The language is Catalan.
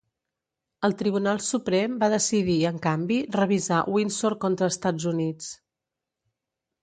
El Tribunal Suprem va decidir, en canvi, revisar "Windsor contra Estats Units".